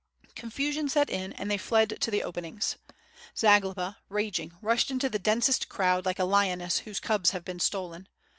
Confusion set in and they fled to the open ings. Zagloba, raging, rushed into the densest crowd like a lioness whose cubs have been stolen.